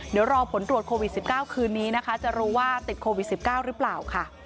เดี๋ยวรอผลตรวจโควิด๑๙คืนนี้นะคะจะรู้ว่าติดโควิด๑๙หรือเปล่าค่ะ